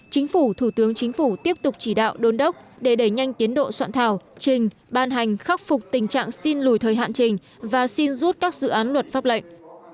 chính phủ thủ tướng chính phủ tiếp tục chỉ đạo đôn đốc để đẩy nhanh tiến độ soạn thảo trình ban hành khắc phục tình trạng xin lùi thời hạn trình và xin rút các dự án luật pháp lệnh